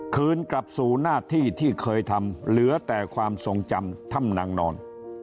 คืนกลับสู่หน้าที่ที่เคยทำเหลือแต่ความทรงจำถ้ำนางนอน